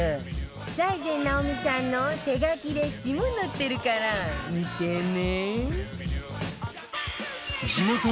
財前直見さんの手書きレシピも載ってるから見てね！